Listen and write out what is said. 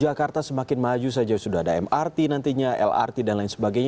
jakarta semakin maju saja sudah ada mrt nantinya lrt dan lain sebagainya